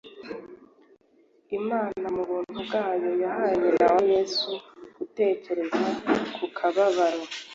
Imana mu buntu bwayo yahaye nyina wa Yesu gutekereza ku kababaro